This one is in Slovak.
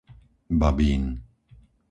Babín